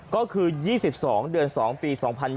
ก็คือ๒๒เดือน๒ปี๒๐๒๐